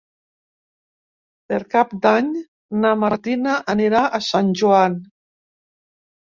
Per Cap d'Any na Martina anirà a Sant Joan.